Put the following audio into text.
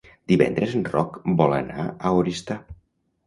Divendres en Roc vol anar a Oristà.